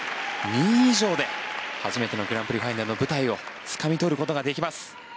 ２位以上で初めてのグランプリファイナルの舞台をつかみ取ることができます。